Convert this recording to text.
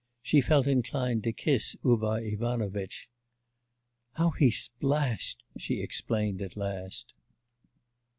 She felt inclined to kiss Uvar Ivanovitch. 'How he splashed!' she explained at last.